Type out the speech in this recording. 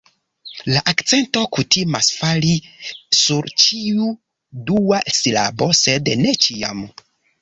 La akcento kutimas fali sur ĉiu dua silabo sed ne ĉiam